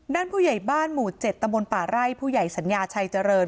ผู้ใหญ่บ้านหมู่๗ตำบลป่าไร่ผู้ใหญ่สัญญาชัยเจริญ